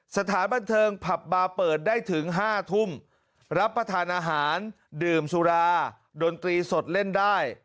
สถานบันเทิงผับบาร์เปิดได้ถึง๕ทุ่มรับประทานอาหารดื่มสุราดนตรีสดเล่นได้